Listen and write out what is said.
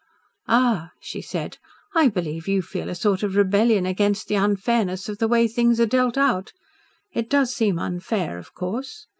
"Ah," she said, "I believe you feel a sort of rebellion against the unfairness of the way things are dealt out. It does seem unfair, of course.